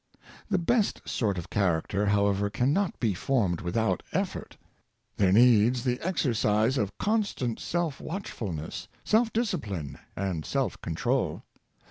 The best sort of character, however, can not be formed without effort. There needs the exercise of constant self watchfulness, self discipline, and self con trol.